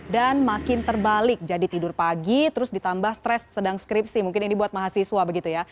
dan makin terbalik jadi tidur pagi terus ditambah stres sedang skripsi mungkin ini buat mahasiswa begitu ya